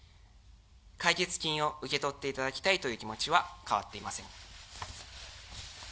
解決金を受け取っていただきたいという気持ちは変わっていません。